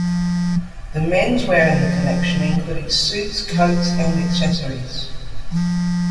The menswear in the collection includes suits, coats and accessories.